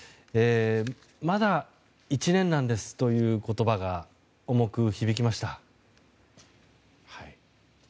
まだ、１年なんですという言葉が重く響きました。